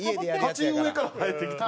鉢植えから生えてきてる。